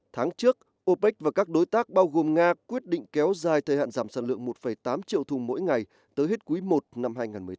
trước opec và các đối tác bao gồm nga quyết định kéo dài thời hạn giảm sản lượng một tám triệu thùng mỗi ngày tới hết cuối một năm hai nghìn một mươi tám